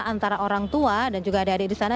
antara orang tua dan juga adik adik di sana